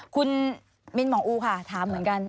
คุณมินหมองอูค่ะถามเหมือนกัน